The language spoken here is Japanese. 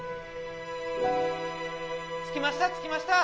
・着きました